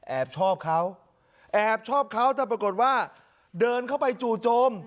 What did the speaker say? ชอบเขาแอบชอบเขาแต่ปรากฏว่าเดินเข้าไปจู่โจม